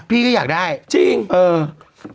พี่ก็อยากได้เออ